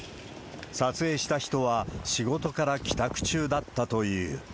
撮影した人は、仕事から帰宅中だったという。